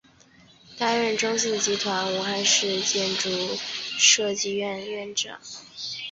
担任中信集团武汉市建筑设计院院长。